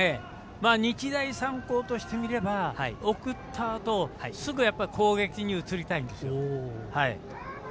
日大三高としてみれば送ったあとすぐ攻撃に移りたいんですよ。